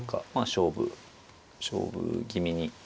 勝負勝負気味に。